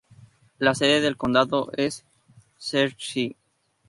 La sede del condado es Searcy.